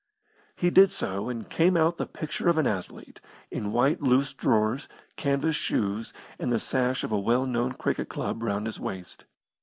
He did so, and came out the picture of an athlete, in white, loose drawers, canvas shoes, and the sash of a well known cricket club round his waist.